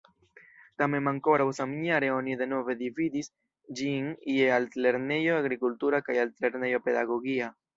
Tamen ankoraŭ samjare oni denove dividis ĝin je Altlernejo Agrikultura kaj Altlernejo Pedagogia.